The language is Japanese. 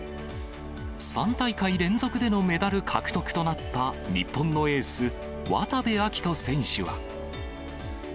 ３大会連続でのメダル獲得となった日本のエース、渡部暁斗選手は。